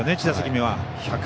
１打席目は。